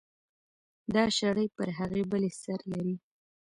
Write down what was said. دا شړۍ پر هغې بلې سر لري.